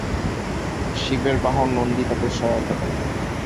শিবের বাহন নন্দী তাদের সহায়তা করেন।